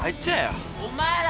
・お前ら。